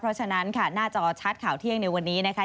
เพราะฉะนั้นค่ะหน้าจอชัดข่าวเที่ยงในวันนี้นะคะ